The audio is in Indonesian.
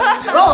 aduh aduh aduh